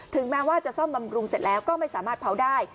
แม้ว่าจะซ่อมบำรุงเสร็จแล้วก็ไม่สามารถเผาได้